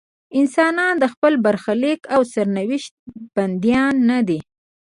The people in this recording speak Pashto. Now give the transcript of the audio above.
انسانان د خپل برخلیک او سرنوشت بندیان نه دي.